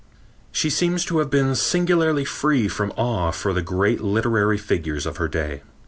She seems to have been singularly free from awe for the great literary figures of her day.